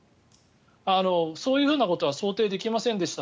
そういうことは想定できませんでした